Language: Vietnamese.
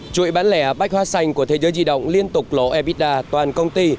chuỗi bán lẻ bách hóa xanh của thế giới di động liên tục lộ evida toàn công ty